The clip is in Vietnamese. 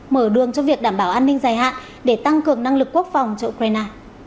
mở đường cho việc đảm bảo an ninh dài hạn để tăng cường năng lực quốc phòng cho ukraine